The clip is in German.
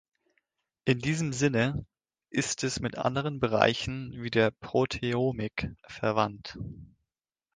In diesem Sinne ist es mit anderen Bereichen wie der Proteomik verwandt.